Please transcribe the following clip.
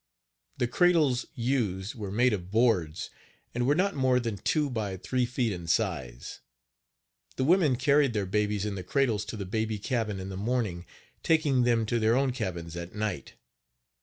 The cradles used were made of boards, and were not more than two by three feet in size. The women carried their babies in the cradles to the baby cabin in the morning, taking them to their own cabins at night.